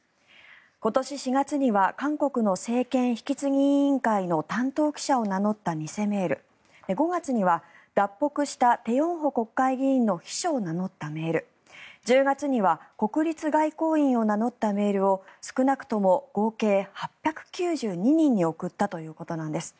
今年４月には韓国の政権引き継ぎ委員会の担当記者を名乗った偽メール５月には脱北したテ・ヨンホ国会議員の秘書を名乗ったメール１０月には国立外交院を名乗ったメールを少なくとも合計８９２人に送ったということなんです。